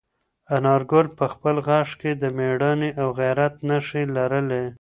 انارګل په خپل غږ کې د میړانې او غیرت نښې لرلې.